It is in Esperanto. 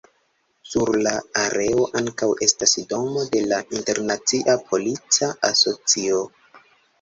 Sur la areo ankaŭ estas domo de la Internacia Polica Asocio.